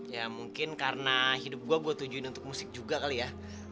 ya mungkin karena hidup gue tujuin untuk musik juga kali ya